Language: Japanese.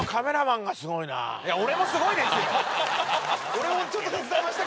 俺もちょっと手伝いました。